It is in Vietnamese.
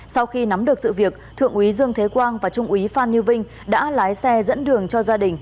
sau khi nắm được sự việc thượng úy dương thế quang và trung úy phan như vinh đã lái xe dẫn đường cho gia đình